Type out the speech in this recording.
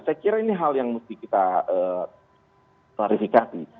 saya kira ini hal yang mesti kita klarifikasi